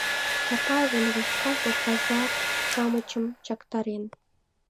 Чапаевын войскаже казак-шамычым чактарен.